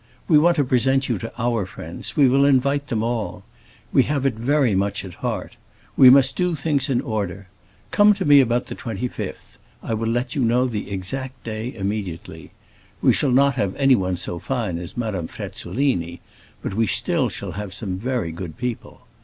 We want to present you to our friends; we will invite them all. We have it very much at heart. We must do things in order. Come to me about the 25th; I will let you know the exact day immediately. We shall not have anyone so fine as Madame Frezzolini, but we shall have some very good people.